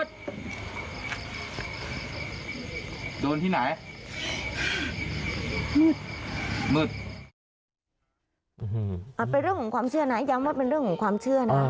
เอาเป็นเรื่องของความเชื่อนะย้ำว่าเป็นเรื่องของความเชื่อนะ